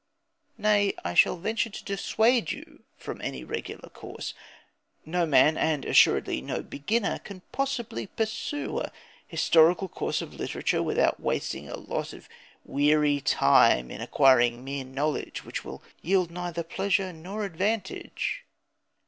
Nay, I shall venture to dissuade you from any regular course. No man, and assuredly no beginner, can possibly pursue a historical course of literature without wasting a lot of weary time in acquiring mere knowledge which will yield neither pleasure nor advantage.